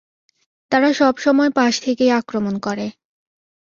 তারা সবসময় পাশ থেকেই আক্রমণ করে।